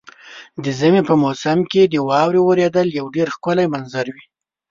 د ژمي په موسم کې د واورې اورېدل یو ډېر ښکلی منظر وي.